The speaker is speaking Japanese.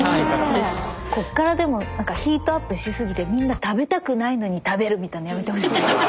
こっからでも何かヒートアップし過ぎてみんな食べたくないのに食べるみたいなのやめてほしいね。